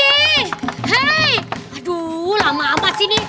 hei aduh lama amat sini